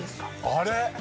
あれ！